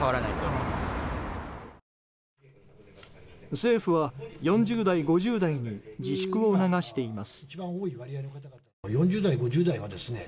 政府は４０代、５０代に自粛を促しています。